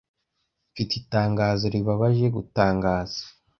Mfite itangazo ribabaje gutangaza.